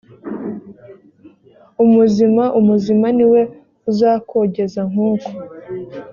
umuzima umuzima ni we uzakogeza nk uko